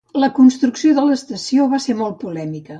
La construcció de l"estació va ser molt polèmica.